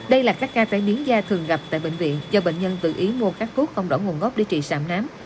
đây là các ca phản biến da thường gặp tại bệnh viện do bệnh nhân tự ý mua các thuốc không đỏ nguồn gốc để trị sạm nám